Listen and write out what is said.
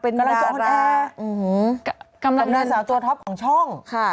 เป็นดาราอื้อหือกำลังสาวตัวท็อปของช่องค่ะ